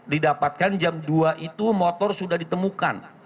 didapatkan jam dua itu motor sudah ditemukan